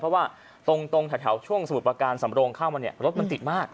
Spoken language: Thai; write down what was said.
เพราะว่าตรงแถวช่วงสมุทรประการสำโรงเข้ามาเนี่ยรถมันติดมาก